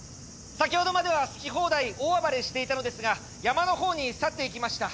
先ほどまでは好き放題大暴れしていたのですが山のほうに去っていきました。